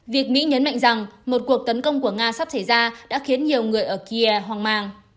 việc mỹ nhấn mạnh rằng một cuộc tấn công của nga sắp xảy ra đã khiến nhiều người ở kia hoang mang